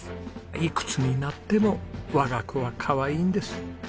いくつになっても我が子はかわいいんです。